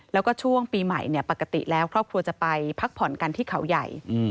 แล้วก็ช่วงปีใหม่ปกติแล้วครอบครัวจะไปพักผ่อนกันที่เขาใหญ่